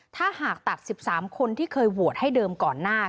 ถ้าหากตัด๑๓คนที่เคยโหวตให้เดิมก่อนหน้า